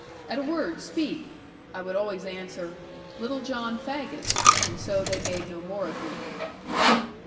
At a word, speak!' I would always answer, 'Little John Faggus'; and so they made no more of me.